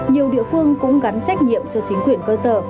nhiều địa phương cũng gắn trách nhiệm cho chính quyền cơ sở